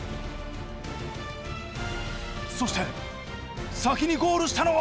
そして先にゴールしたのは。